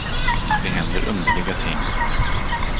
Det händer underliga ting.